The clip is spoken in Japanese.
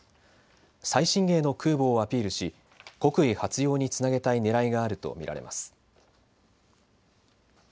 最新鋭の空母をアピールし国威発揚につなげたいねらいがあると見られます。